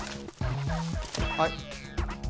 はい。